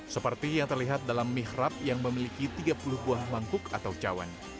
seperti yang terlihat dalam mihrab yang memiliki tiga puluh buah mangkuk atau cawan